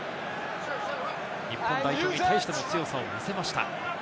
日本代表に対しても強さを見せました。